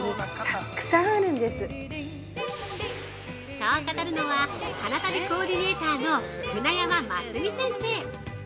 ◆そう語るのは、花旅コーディネーターの舩山純先生！